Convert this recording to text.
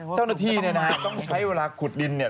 เจ้าหน้าที่ต้องใช้เวลาขุดดิน